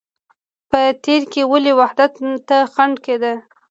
په تېر کې ملي وحدت ته خنده کېده.